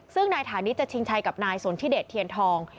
ซึ่งนายฐานิชจะชิงชัยกับนายสนทิเดชเทียนทอง